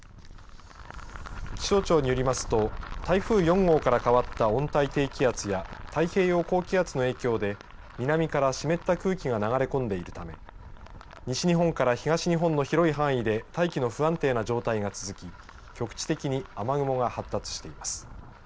気象庁によりますと台風４号から変わった温帯低気圧や太平洋高気圧の影響で南から湿った空気が流れ込んでいるため西日本から東日本の広い範囲で大気の不安定な状態が続き局地的に雨雲が発達しています。